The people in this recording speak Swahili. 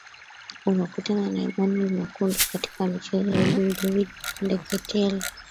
unakutana na emanuel makundi katika michezo edwin david ndeketela